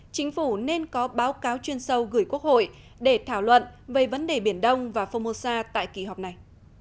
chính phủ nên có báo cáo chuyên sâu gửi quốc hội để thảo luận về vấn đề biển đông và phongmosa tại kỳ họp này